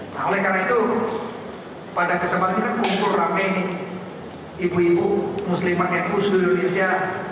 nah oleh karena itu pada kesempatan ini kan kumpul rame ibu ibu musliman yang kusul di indonesia